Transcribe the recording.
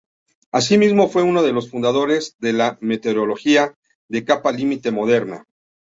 Asimismo, fue uno de los fundadores de la meteorología de capa límite moderna.